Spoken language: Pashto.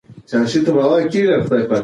ناسمه تغذیه د ټولنې اخلاق کمزوري کوي.